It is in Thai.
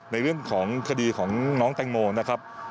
ในเรื่องของคดีของน้องแตงโมนะครับ